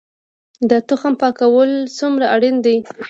د تخم پاکول څومره اړین دي؟